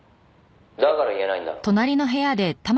「だから言えないんだろ」